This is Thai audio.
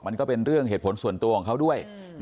มันก็เป็นเรื่องเหตุผลส่วนตัวของเขาด้วย